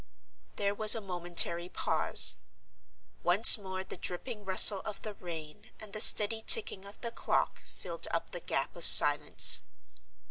There was a momentary pause. Once more the dripping rustle of the rain and the steady ticking of the clock filled up the gap of silence.